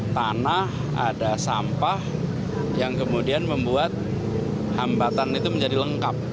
tanah ada sampah yang kemudian membuat hambatan itu menjadi lengkap